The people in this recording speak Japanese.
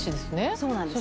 そうなんです。